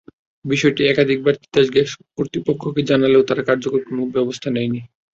বিষয়টি একাধিকবার তিতাস গ্যাস কর্তৃপক্ষকে জানালেও তারা কার্যকর কোনো ব্যবস্থা নেয়নি।